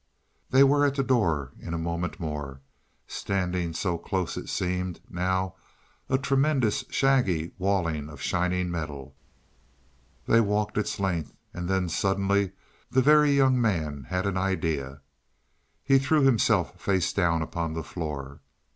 They were at the door in a moment more. Standing so close it seemed, now, a tremendous shaggy walling of shining metal. They walked its length, and then suddenly the Very Young Man had an idea. He threw himself face down upon the floor.